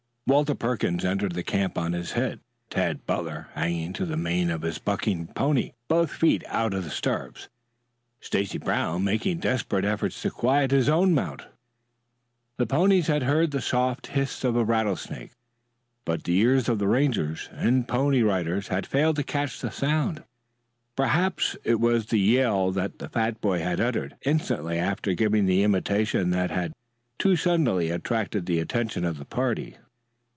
Walter Perkins entered the camp on his head, Tad Butler hanging to the mane of his bucking pony, both feet out of the stirrups, Stacy Brown making desperate efforts to quiet his own mount. The ponies had heard the soft hiss of a rattlesnake, but the ears of Rangers and Pony Riders had failed to catch the sound. Perhaps it was the yell that the fat boy had uttered instantly after giving the imitation that had too suddenly attracted the attention of the party.